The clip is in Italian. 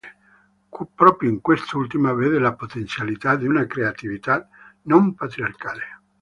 Proprio in quest'ultima vede le potenzialità di una creatività non-patriarcale.